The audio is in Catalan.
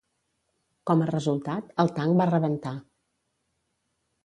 Com a resultat, el tanc va rebentar.